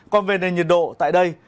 còn về nền nhiệt độ tại đây